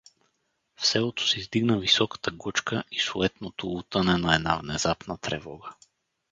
В селото се издигна високата глъчка и суетното лутане на една внезапна тревога.